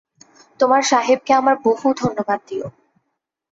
তোমার সাহেবকে আমার বহু ধন্যবাদ দিও।